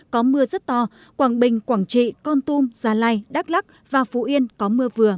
có mưa rất to quảng bình quảng trị con tum gia lai đắk lắc và phú yên có mưa vừa